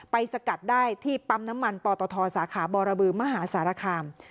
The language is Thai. ไปสกัดได้ที่ปั๊มน้ำมันปตศบบมหาศาลคาม